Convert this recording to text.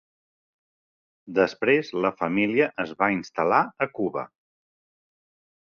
Després la família es va instal·lar a Cuba.